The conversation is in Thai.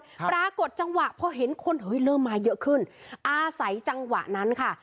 ปรากฏจังหวะพอเห็นคนเฮ้ยเริ่มมาเยอะขึ้นอาศัยจังหวะนั้นค่ะ